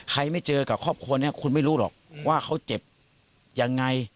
ไม่เจอกับครอบครัวนี้คุณไม่รู้หรอกว่าเขาเจ็บยังไง